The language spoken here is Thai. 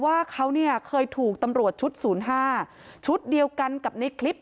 ว่าเขาเนี่ยเคยถูกตำรวจชุดศูนย์ห้าชุดเดียวกันกับในคลิป